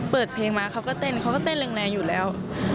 เปิดเพลงมาเขาก็เต้นเขาก็เต้นแรงอยู่แล้ว